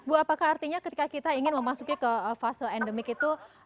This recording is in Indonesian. bu apakah artinya ketika kita ingin memasuki ke fase endemik itu